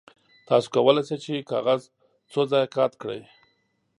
تاسو کولی شئ چې کاغذ څو ځایه قات کړئ.